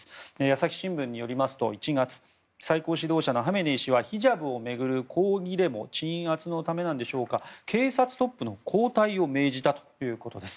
朝日新聞によりますと、１月最高指導者のハメネイ師はヒジャブを巡る抗議デモの鎮圧のためでしょうか警察トップの交代を命じたということです。